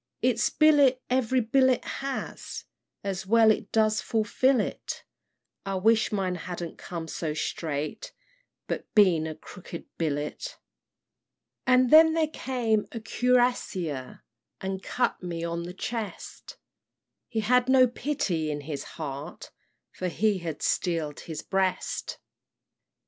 "Its billet every bullet has, And well it does fulfil it; I wish mine hadn't come so straight. But been a 'crooked billet.' "And then there came a cuirassier And cut me on the chest; He had no pity in his heart, For he had steel'd his breast.